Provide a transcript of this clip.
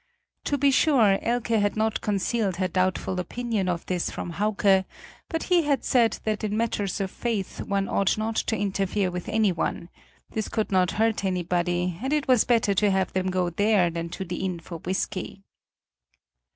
To be sure, Elke had not concealed her doubtful opinion of this from Hauke, but he had said that in matters of faith one ought not to interfere with anyone: this could not hurt anybody, and it was better to have them go there than to the inn for whiskey.